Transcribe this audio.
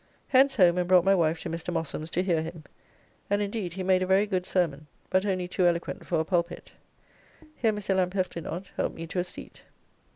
Hence home and brought my wife to Mr. Mossum's to hear him, and indeed he made a very good sermon, but only too eloquent for a pulpit. Here Mr. L'Impertinent helped me to a seat.